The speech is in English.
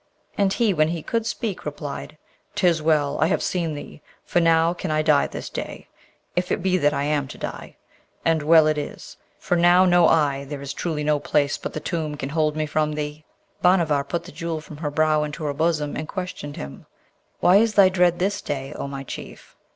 And he, when he could speak, replied, ''Tis well! I have seen thee! for now can I die this day, if it be that I am to die. And well it is! for now know I there is truly no place but the tomb can hold me from thee!' Bhanavar put the Jewel from her brow into her bosom, and questioned him, 'What is thy dread this day, O my Chief?'